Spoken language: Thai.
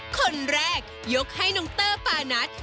คนแรกยกให้น้องเตอร์ปานัท